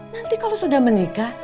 nanti kalau sudah menikah